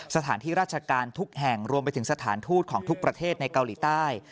สถานที่ราชการทุกแห่งรวมไปถึงสถานทูตของทุกประเทศในเกาหลีใต้